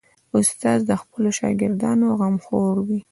استاد د خپلو شاګردانو غمخور وي.